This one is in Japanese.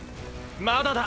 まだだ！！